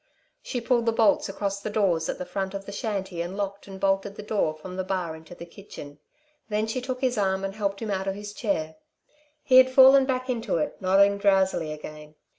She pulled the bolts across the doors at the front of the shanty and locked and bolted the door from the bar into the kitchen; then she took his arm, and helped him out of his chair. He had fallen back into it, nodding drowsily again.